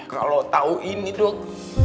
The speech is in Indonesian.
kalau tau ini dok